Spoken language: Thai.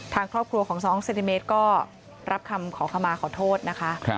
ทางครอบครัวของน้องเซนติเมตรก็รับคำขอขมาขอโทษนะคะ